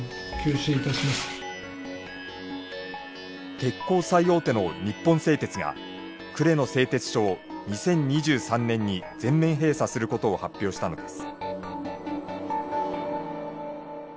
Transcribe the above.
鉄鋼最大手の日本製鉄が呉の製鉄所を２０２３年に全面閉鎖することを発表したのです。